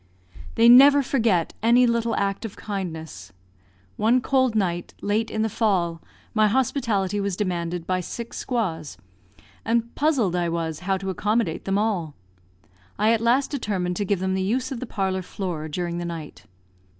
They never forget any little act of kindness. One cold night, late in the fall, my hospitality was demanded by six squaws, and puzzled I was how to accommodate them all. I at last determined to give them the use of the parlour floor during the night.